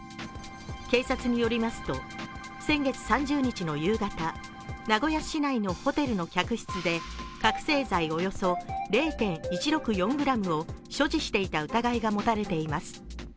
警察によりますと、先月３０日の夕方名古屋市内のホテルの客室で覚醒剤およそ０．１６４ｇを所持していた疑いが持たれています。